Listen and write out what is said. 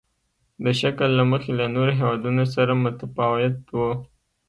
د شکل له مخې له نورو هېوادونو سره متفاوت وو.